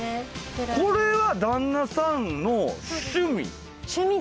これは旦那さんの趣味？